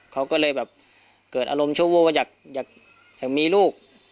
เขาก็เลยแบบเกิดอารมณ์ชั่ววูบว่าอยากมีลูก